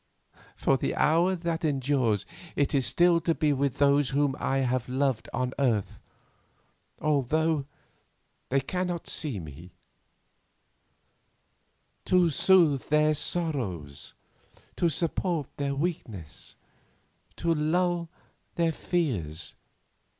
For the hour that they endure it is still to be with those whom I have loved on earth, although they cannot see me; to soothe their sorrows, to support their weakness, to lull their fears.